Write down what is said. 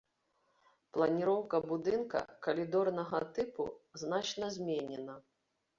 Планіроўка будынка калідорнага тыпу значна зменена.